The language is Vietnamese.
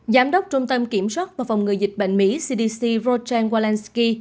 giám đốc trung tâm kiểm soát và phòng ngừa dịch bệnh mỹ cdc rodan walensky